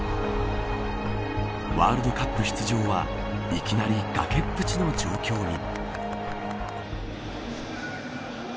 ワールドカップ出場はいきなり崖っぷちの状況に。